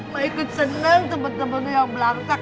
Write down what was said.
ma ikut senang teman teman yang belasakal